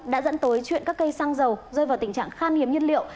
đã dẫn tới chuyện các cây xăng dầu rơi vào tình trạng khan hiếm nhiên liệu